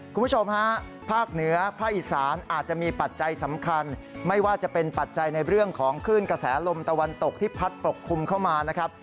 คุณผู้ชมฮะภาคเหนือภาคอีสานอาจจะมีปัจจัยสำคัญไม่ว่าจะเป็นปัจจัยในเรื่องของคลื่นกระแสลมตะวันตกที่พัดปกคลุมเข้ามานะครับ